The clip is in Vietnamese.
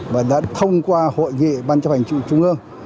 và đã thông qua hội nghị ban chấp hành trụ trung ương